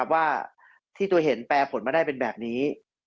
ว่าที่ตัวเองเห็นแปรผลมาได้เป็นแบบนี้